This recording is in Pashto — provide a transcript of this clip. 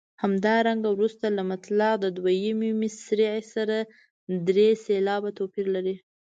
همدارنګه وروسته له مطلع دویمې مصرع سره درې سېلابه توپیر لري.